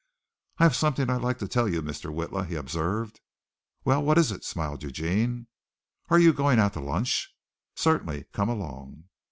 "I have something I'd like to tell you, Mr. Witla," he observed. "Well, what is it?" smiled Eugene. "Are you going out to lunch?" "Certainly, come along."